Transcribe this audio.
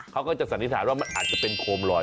เขาก็จะสันนิษฐานว่ามันอาจจะเป็นโคมลอย